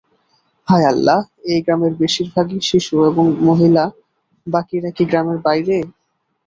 হায় আল্লাহ এই গ্রামের বেশির ভাগই শিশু এবং মহিলা বাকিরা কি গ্রামের বাইরে?